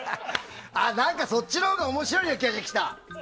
そっちのほうが面白い気がしてきた。